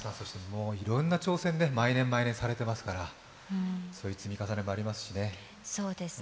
いろんな挑戦を毎年、毎年されていますから、そういう積み重ねもありますしね。